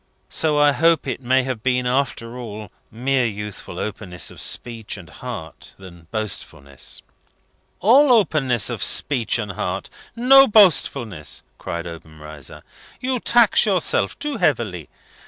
So I hope it may have been, after all, more youthful openness of speech and heart than boastfulness." "All openness of speech and heart! No boastfulness!" cried Obenreizer. "You tax yourself too heavily.